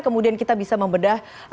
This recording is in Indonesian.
kemudian kita bisa membedah